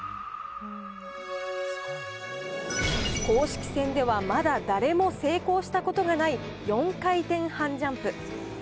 公式戦ではまだ誰も成功したことがない４回転半ジャンプ。